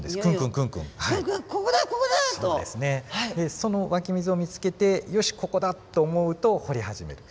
その湧き水を見つけて「よしここだ」と思うと掘り始める。